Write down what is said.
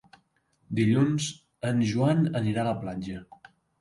Dilluns en Joan anirà a la platja.